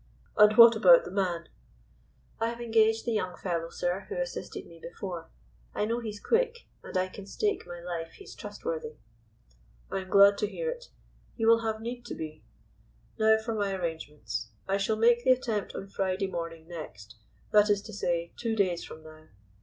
"And what about the man?" "I have engaged the young fellow, sir, who assisted me before. I know he's quick, and I can stake my life he's trustworthy." "I am glad to hear it. He will have need to be. Now for my arrangements. I shall make the attempt on Friday morning next, that is to say, two days from now.